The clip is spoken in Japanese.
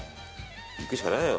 いくしかないよ。